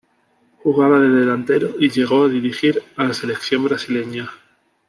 Jugaba de delantero y llegó a dirigir a la selección brasileña.